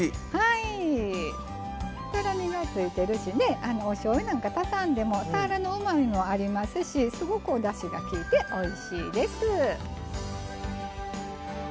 とろみがついてるしおしょうゆなんて足さんでもさわらのうまみもありますしすごく、おだしがきいておいしいです。